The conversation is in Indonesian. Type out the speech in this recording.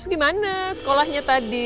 gimana sekolahnya tadi